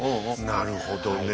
なるほどねえ。